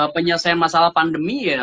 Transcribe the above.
penyelesaian masalah pandemi ya